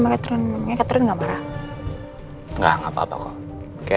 makanya mereka mulut mungkin saat merasa sudah langsung ngemb cassernya